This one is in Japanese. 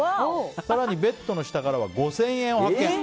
更にベッドの下からは５０００円を発見。